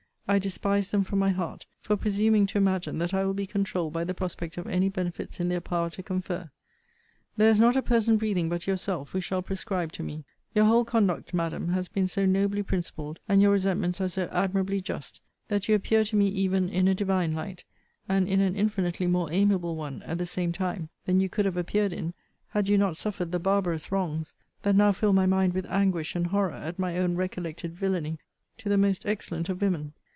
I despise them from my heart for presuming to imagine that I will be controuled by the prospect of any benefits in their power to confer. There is not a person breathing, but yourself, who shall prescribe to me. Your whole conduct, Madam, has been so nobly principled, and your resentments are so admirably just, that you appear to me even in a divine light; and in an infinitely more amiable one at the same time than you could have appeared in, had you not suffered the barbarous wrongs, that now fill my mind with anguish and horror at my own recollected villany to the most excellent of women.